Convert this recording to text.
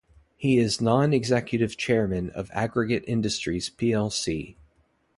He is non-executive chairman of Aggregate Industries plc.